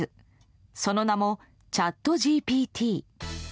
その名も、チャットＧＰＴ。